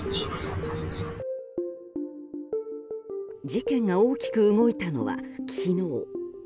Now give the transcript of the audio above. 事件が大きく動いたのは昨日。